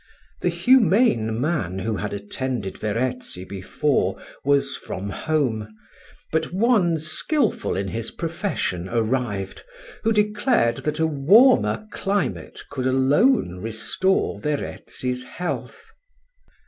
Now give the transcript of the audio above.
The humane man, who had attended Verezzi before, was from home, but one, skilful in his profession, arrived, who declared that a warmer climate could alone restore Verezzi's health.